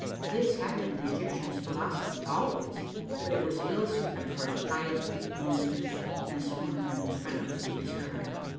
This had been the Egyptian's philosophy always, but it was ill suited for Auld Licht ministers, as one of them was presently to discover.